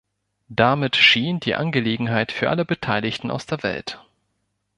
Damit schien die Angelegenheit für alle Beteiligten aus der Welt.